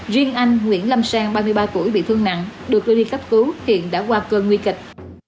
riêng anh nguyễn lâm sang ba mươi ba tuổi bị thương nặng được đưa đi cấp cứu hiện đã qua cơn nguy kịch